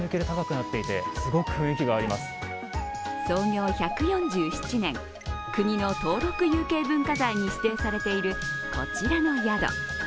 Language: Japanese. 創業１４７年、国の登録有形文化財に指定されている、こちらの宿。